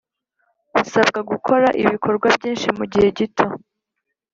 Gusabwa gukora ibikorwa byinshi mu gihe gito